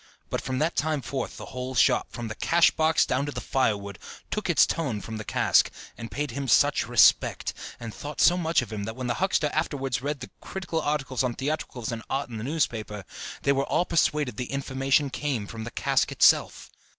But from that time forth the whole shop, from the cash box down to the firewood, took its tone from the cask, and paid him such respect, and thought so much of him, that when the huckster afterwards read the critical articles on theatricals and art in the newspaper, they were all persuaded the information came from the cask itself.